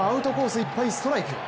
いっぱいストライク。